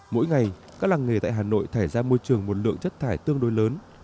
mỗi ngày các làng nghề tại hà nội thải ra môi trường một lượng chất thải tương đối lớn